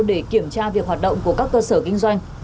để kiểm tra việc hoạt động của các cơ sở kinh doanh